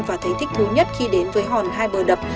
và thấy thích thú nhất khi đến với hòn hai bờ đập